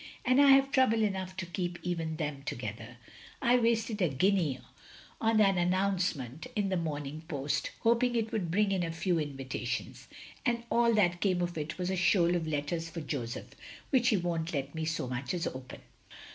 "And I have trouble enough to keep even them together. I wasted a guinea on that 226 THE LONELY LADY announcement in the Morning Post, hoping it would bring in a few invitations; and all that came of it was a shoal of letters for Joseph, which he won't let me so much as open.